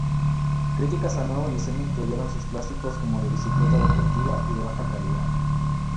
Críticas al nuevo diseño incluyeron sus plásticos como de bicicleta deportiva y baja calidad.